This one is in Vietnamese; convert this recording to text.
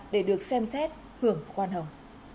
để được xem xét hưởng khoan hồng